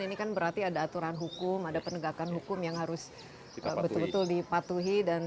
ini kan berarti ada aturan hukum ada penegakan hukum yang harus betul betul dipatuhi